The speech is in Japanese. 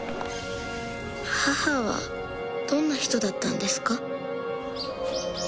母はどんな人だったんですか？